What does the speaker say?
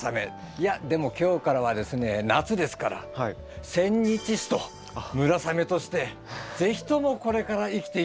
いやでも今日からはですね夏ですからセンニチストムラサメとして是非ともこれから生きて頂きたいと思います。